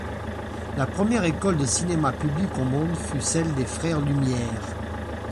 La première école de cinéma publique au monde fut celle des Frères Lumière.